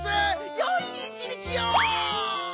よい一日を！